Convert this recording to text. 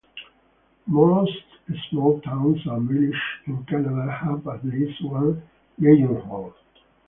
Most small towns and villages in Canada have at least one Legion Hall.